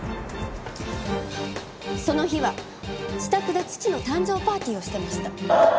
その日は自宅で父の誕生パーティーをしてました。